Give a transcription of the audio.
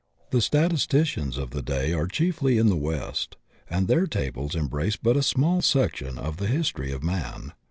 The statisticians of the day are chiefly in the West, and their tables embrace but a small sec tion of the history of man.